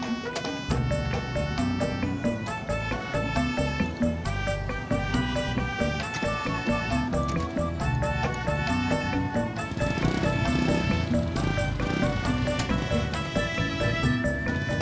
itu aja juga lu ini